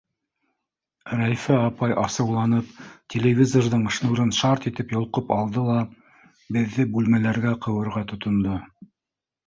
— Рәйфә апай асыуланып телевизорҙың шнурын шарт итеп йолҡоп алды ла, беҙҙе бүлмәләргә ҡыуырға тотондо.